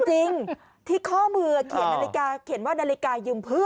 จริงที่ข้อมือเขียนว่านาฬิกายืมเพื่อน